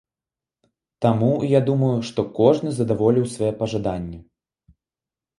Таму, я думаю, што кожны задаволіў свае пажаданні.